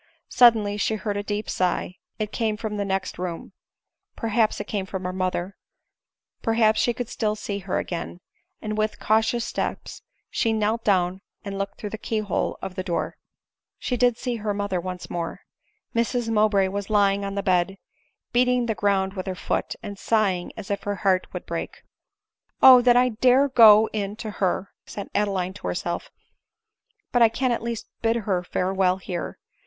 Suddenly she heard a deep sigh — it came from the next room — perhaps it came from her mother ; perhaps she could still see her again ; and with cautious steps she knelt down and looked through the key hole of the door. She did see her mother once more. Mrs Mowbray was lying on the bed, beating the ground with her foot, and sighing as if her heart would break. " O ! that I dare go in to her !" said Adeline to her self ;" but I can at least bid her farewell here."